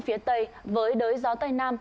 phía tây với đới gió tây nam